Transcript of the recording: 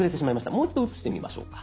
もう一度写してみましょうか。